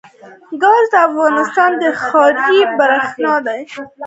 ګاز د افغانستان د ښاري پراختیا سبب کېږي.